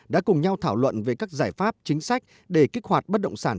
đã cùng nhau thảo luận về các giải pháp chính sách để kích hoạt bất động sản